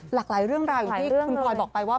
หลากหลายเรื่องราวอย่างที่คุณพลอยบอกไปว่า